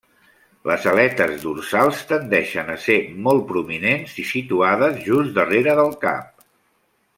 Les aletes dorsals tendeixen a ser molt prominents i situades just darrere del cap.